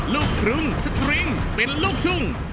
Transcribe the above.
ลูกกรุงสตริงเป็นลูกทุ่ง